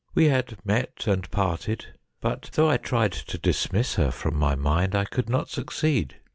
We had met and parted, but though I tried to dismiss her from my mind I could not succeed.